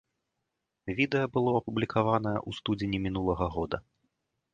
Відэа было апублікаванае ў студзені мінулага года.